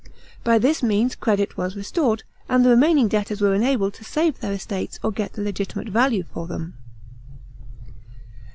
By this means credit was restored, and the remaining debtors were enabled to save their estates or get the legitimate value for them.